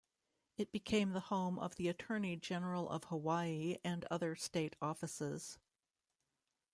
It became the home of the Attorney General of Hawaii and other state offices.